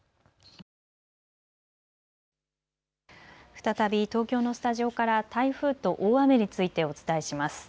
再び東京のスタジオから台風と大雨についてお伝えします。